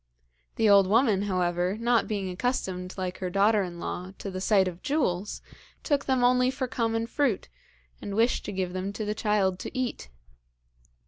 The old woman, however, not being accustomed, like her daughter in law, to the sight of jewels, took them only for common fruit, and wished to give them to the child to eat.